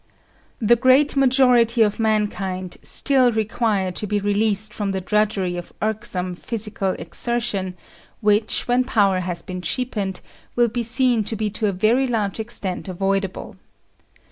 The great majority of mankind still require to be released from the drudgery of irksome, physical exertion, which, when power has been cheapened, will be seen to be to a very large extent avoidable.